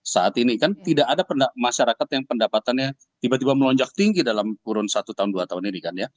saat ini kan tidak ada masyarakat yang pendapatannya tiba tiba melonjak tinggi dalam kurun satu tahun dua tahun ini kan ya